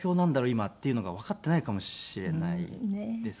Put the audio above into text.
今っていうのがわかっていないかもしれないですかね